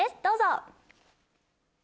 どうぞ！